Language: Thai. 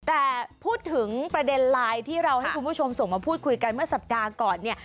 แต่พูดถึงประเด็นไลน์ที่เราให้คุณผู้ชมส่งมาพูดคุยกันเมื่อสัปดาห์ก่อนเนี่ย